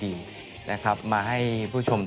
พี่แดงก็พอสัมพันธ์พูดเลยนะครับ